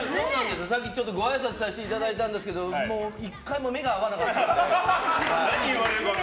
さっき、ちょっとごあいさつさせていただいたんですけど１回も目が合わなかったんで。